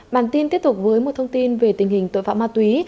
bản tin tiếp tục với một thông tin về tình hình tội phạm ma túy